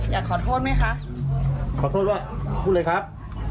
อยากขอโทษไหมคะขอโทษว่าพูดเลยครับ